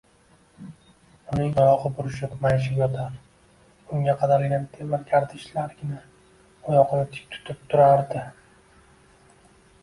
Uning oyogʻi burishib-mayishib yotar, unga qadalgan temir gardishlargina oyoqni tik tutib turardi